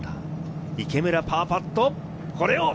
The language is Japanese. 池村、パーパット。